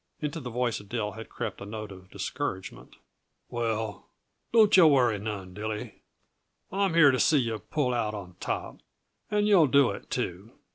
Into the voice of Dill had crept a note of discouragement. "Well, don't yuh worry none, Dilly. I'm here to see yuh pull out on top, and you'll do it, too.